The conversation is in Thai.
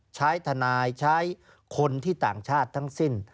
ใช้ทนายใช้คนที่ต่างชาติทั้งสิ้น